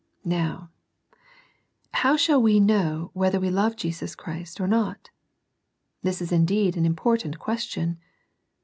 Now, how shall we know whether we love Jesus Christ or not? This is indeed an im portant question.